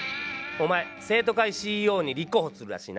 おまえ生徒会ＣＥＯに立候補するらしいな。